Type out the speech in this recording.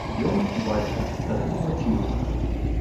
Ён, бацька, тады малаціў.